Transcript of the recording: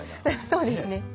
そうですね。